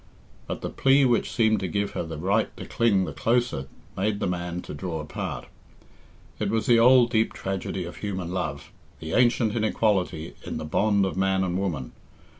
But the plea which seemed to give her the right to cling the closer made the man to draw apart. It was the old deep tragedy of human love the ancient inequality in the bond of man and woman.